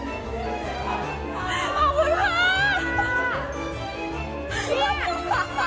แม่สายหรือเปล่า